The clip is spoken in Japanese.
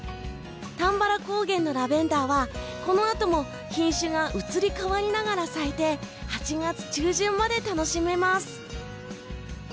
たんばら高原のラベンダーはこのあとも品種が移り変わりながら咲いて８月中旬まで楽しめます。